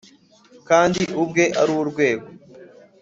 Kandi ubwe ari urwego,